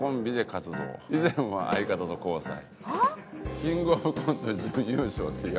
「キングオブコント準優勝」いや